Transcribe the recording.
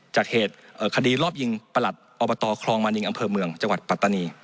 จากเหตุคดีรอบยิงประหลัดอบตคลองมานิงอำเภอเมืองจังหวัดปัตตานี